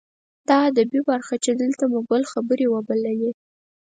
دا ادبي برخه چې دلته مو ګل خبرې وبللې.